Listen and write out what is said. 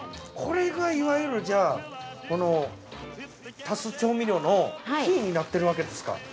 これがいわゆるじゃあこの足す調味料のキーになってるわけですか。